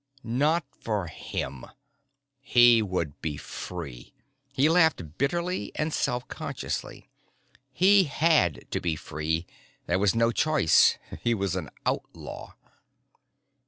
Not for him. He would be free. He laughed, bitterly and self consciously. He had to be free. There was no choice: he was an outlaw.